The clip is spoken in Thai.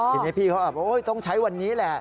ทีนี้พี่เขาอาบต้องใช้วันนี้แหละ